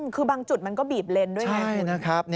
คือบางจุดมันก็บีบเลนด้วยไหมคุณใช่นะครับ